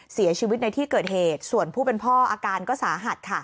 เสียชีวิตในที่เกิดเหตุส่วนผู้เป็นพ่ออาการก็สาหัส